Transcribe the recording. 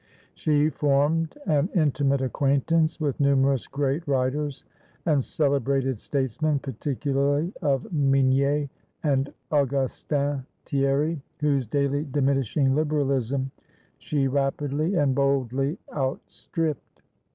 She formed an intimate acquaintance with numerous great writers and celebrated statesmen, particularly of Mignet and Augustin Thierry, whose daily diminishing liberalism she rapidly and boldly outstripped.